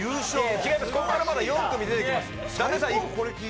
ここからまだ４組出てきます。